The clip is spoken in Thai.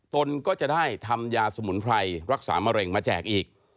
ตนก็จะได้ทำยาสมุนไพรรักษามะเร็งมาแจกอีก